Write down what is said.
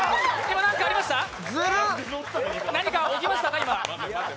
今、何か起きましたか？